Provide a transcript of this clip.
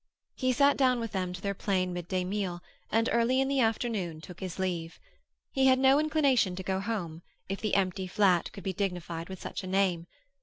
He sat down with them to their plain midday meal, and early in the afternoon took his leave. He had no inclination to go home, if the empty flat could be dignified with such a name.